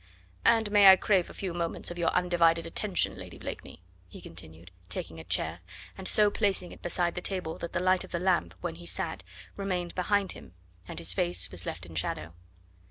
"And may I crave a few moments of your undivided attention, Lady Blakeney?" he continued, taking a chair, and so placing it beside the table that the light of the lamp when he sat remained behind him and his face was left in shadow.